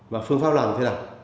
và phương pháp làm thế nào